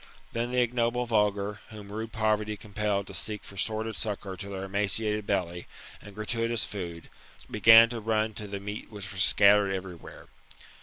Then the ignoble vulgar, whom rude poverty compelled to seek for sordid succour to their emaciated belly, and gratutious food, began to run to the meat which was scattered every where.